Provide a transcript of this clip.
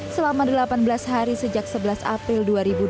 selama delapan belas hari sejak sebelas april dua ribu dua puluh